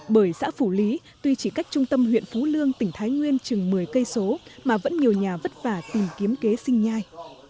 bởi xã phủ lý tuy chỉ cách trung tâm huyện phú lương tỉnh thái nguyên chừng một mươi km mà vẫn nhiều nhà vất vả tìm kiếm kế sinh nhai